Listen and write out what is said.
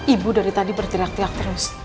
ibu dari tadi bergerak teriak terus